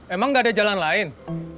emang gak ada jalan lain